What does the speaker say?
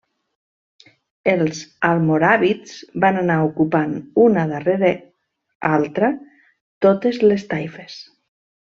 Els Almoràvits van anar ocupant, una darrere altra, totes les taifes.